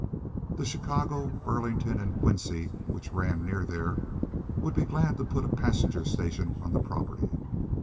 The Chicago, Burlington & Quincy, which ran near there, would be glad to put a passenger station on the property.